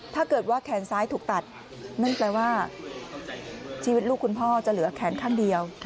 ถ้าเกิดว่าแขนซ้ายถูกตัดนั่นแปลว่าชีวิตลูกคุณพ่อจะเหลือแขนข้างเดียว